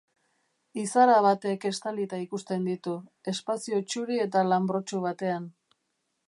Izara batek estalita ikusten ditu, espazio txuri eta lanbrotsu batean.